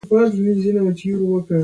مخ پر ترقي وي.